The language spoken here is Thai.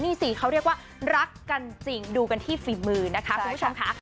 นี่สิเขาเรียกว่ารักกันจริงดูกันที่ฝีมือนะคะคุณผู้ชมค่ะ